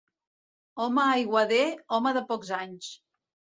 Home aiguader, home de pocs anys.